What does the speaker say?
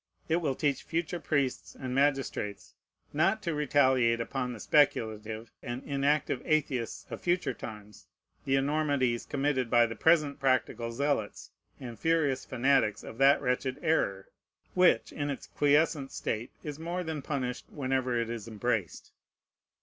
It will teach future priests and magistrates not to retaliate upon the speculative and inactive atheists of future times the enormities committed by the present practical zealots and furious fanatics of that wretched error, which, in its quiescent state, is more than punished, whenever it is embraced.